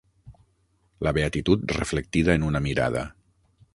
La beatitud reflectida en una mirada.